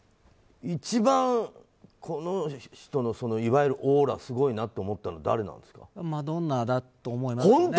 一番この人のいわゆるオーラがすごいなと思った人はマドンナだと思います。